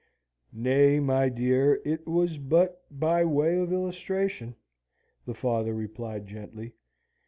"Nay, my dear, it was but by way of illustration," the father replied gently.